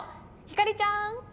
ひかりちゃん。